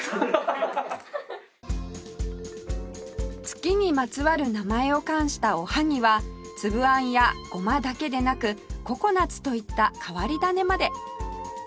月にまつわる名前を冠したおはぎはつぶあんやごまだけでなくココナツといった変わり種まで